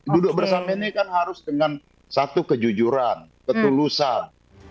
duduk bersama ini kan harus dengan satu kejujuran ketulusan